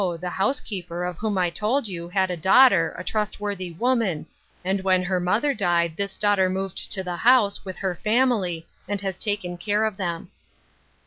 The housekeeper, of whom I told you, had a daughter, a trustworthy woman, «nd when her mother died this daughter moved 'X) the house, with her family, and has taken care )f them."